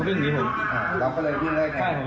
พระคุณที่อยู่ในห้องการรับผู้หญิง